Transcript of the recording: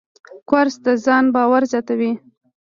کورس د ځان باور زیاتوي.